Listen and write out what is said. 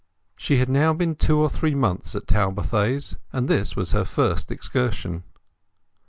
She had now been two months at Talbothays, and this was her first excursion.